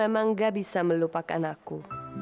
kamu memang gak bisa melupakan aku